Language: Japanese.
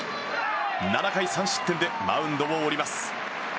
７回３失点でマウンドを降ります。